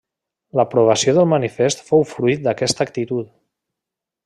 L’aprovació del manifest fou fruit d’aquesta actitud.